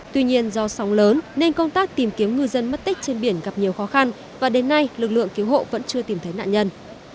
tuy nhiên do sóng lớn nên công tác tìm kiếm ngư dân mất tích trên biển gặp nhiều khó khăn và đến nay lực lượng cứu hộ vẫn chưa tìm thấy nạn nhân